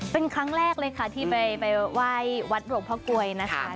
เป็นครั้งแรกเลยค่ะที่ไปไหว้วัดหลวงพ่อกลวยนะคะ